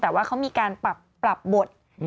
แต่ว่าเขามีการปรับบท